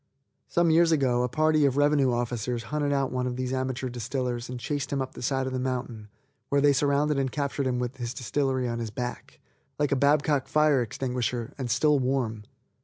Some years ago a party of revenue officers hunted out one of these amateur distillers and chased him up the side of the mountain, where they surrounded and captured him with his distillery on his back, like a Babcock fire extinguisher, and still warm.